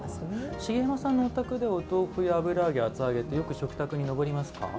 茂山さんのお宅にはお豆腐、油揚げ、厚揚げよく食卓に上りますか？